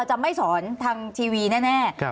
จะไม่สอนทางทีวีแน่